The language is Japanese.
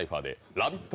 「ラヴィット！」